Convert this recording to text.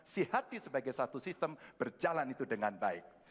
si hati sebagai satu sistem berjalan itu dengan baik